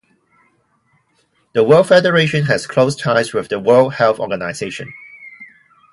The World Federation has close ties with the World Health Organization.